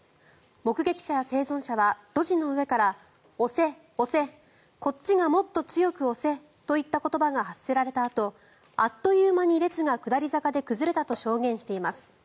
目撃者や生存者は路地の上から押せ、押せこっちがもっと強く押せといった言葉が発せられたあとあっという間に列が下り坂で崩れたと証言しています。